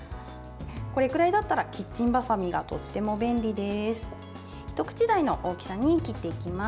これくらいだったらキッチンばさみがとっても便利です。